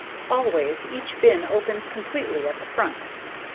Always, each bin opens completely at the front.